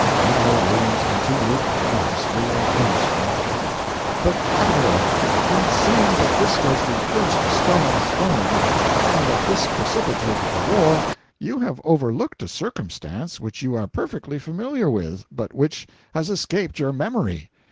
Now, Williams continued, modestly and earnestly: "But Admiral, in saying that this was the first stone thrown, and that this precipitated the war, you have overlooked a circumstance which you are perfectly familiar with, but which has escaped your memory.